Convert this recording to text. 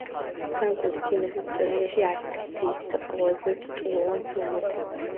ფრანგული კინოს ისტორიაში „არტისტი“ იქცა ყველაზე ტიტულოვან ფილმად.